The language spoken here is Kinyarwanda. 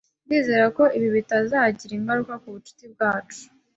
Ndizera ko ibi bitazagira ingaruka ku bucuti bwacu.